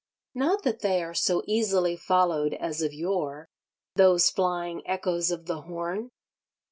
Not that they are so easily followed as of yore, those flying echoes of the horn!